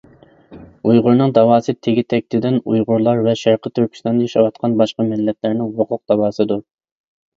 ئۇيغۇرنىڭ داۋاسى تېگى تەكتىدىن ئۇيغۇرلار ۋە شەرقى تۈركىستاندا ياشاۋاتقان باشقا مىللەتلەرنىڭ ھوقۇق دەۋاسىدۇر.